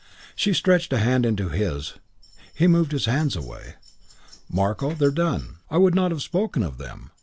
She stretched a hand to his. He moved his hands away. "Marko, they're done. I would not have spoken of them.